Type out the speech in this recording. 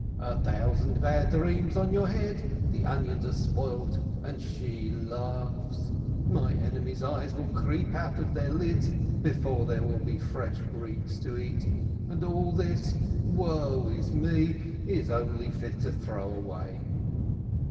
"A thousand bad dreams on your head ! The onions are spoilt, and she laughs ! My enemies' eyes will creep out of their lids before there will be fresh greens to eat, and all this, woe is me, is only fit to throw away!''